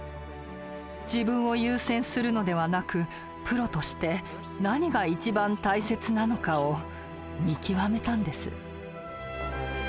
自分を優先するのではなくプロとして何が一番大切なのかを見極めたんです。